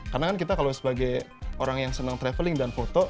karena kan kita kalau sebagai orang yang senang traveling dan foto